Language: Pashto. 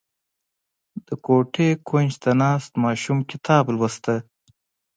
• د کوټې د کونج ته ناست ماشوم کتاب لوسته.